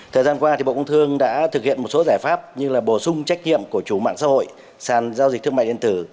thời gian qua thì bộ công thương đã thực hiện một số giải pháp như là bổ sung trách nhiệm của chủ mạng xã hội sàn giao dịch thương mại điện tử